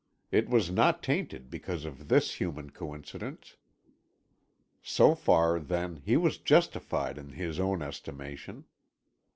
It was not tainted because of this human coincidence. So far, then, he was justified in his own estimation.